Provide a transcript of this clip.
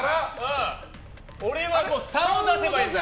俺は３を出せばいいんだ。